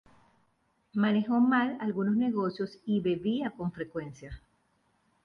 Manejó mal algunos negocios y bebía con frecuencia.